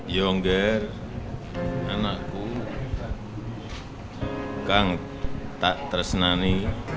yongger anakku kang tak tersenani